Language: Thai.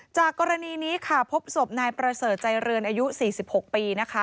จากกรณีนี้ค่ะพบศพนายประเสริฐใจเรือนอายุ๔๖ปีนะคะ